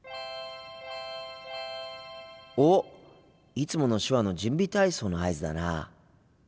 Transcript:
いつもの手話の準備体操の合図だな。